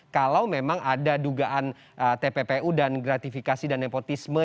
kalau memang ada dugaan tppu dan gratifikasi dan nepotisme